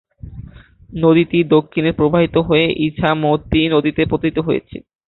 নদীটি দক্ষিণে প্রবাহিত হয়ে ইছামতি নদীতে পতিত হয়েছে।